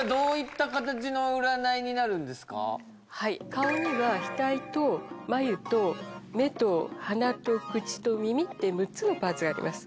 顔には額と眉と目と鼻と口と耳って６つのパーツがあります